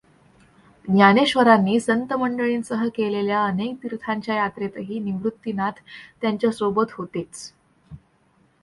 ज्ञानेश्वरांनी संतंमंडळींसह केलेल्या अनेक तीर्थांच्या यात्रेतही निवृत्तिनाथ त्यांच्या सोबत होतेच.